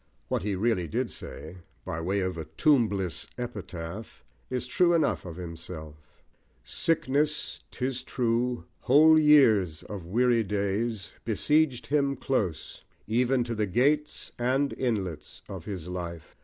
What he really did say, by way of A Tombless Epitaph, is true enough of himself Sickness, 'tis true, Whole years of weary days, besieged him close, Even to the gates and inlets of his life!